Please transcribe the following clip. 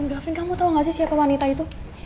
gavin kamu tau gak sih siapa wanita itu